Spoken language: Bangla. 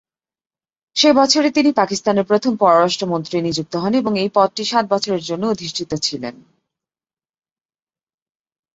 সে বছরই তিনি পাকিস্তানের প্রথম পররাষ্ট্রমন্ত্রী নিযুক্ত হন, তিনি এই পদটি সাত বছরের জন্য অধিষ্ঠিত ছিলেন।